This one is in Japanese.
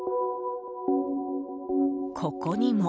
ここにも。